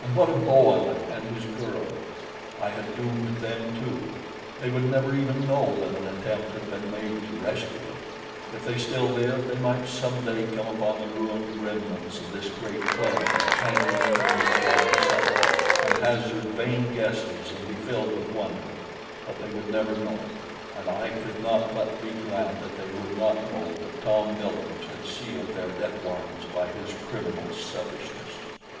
And what of Bowen and his girl? I had doomed them too. They would never even know that an attempt had been made to rescue them. If they still lived, they might some day come upon the ruined remnants of this great plane hanging in its lofty sepulcher and hazard vain guesses and be filled with wonder; but they would never know; and I could not but be glad that they would not know that Tom Billings had sealed their death warrants by his criminal selfishness.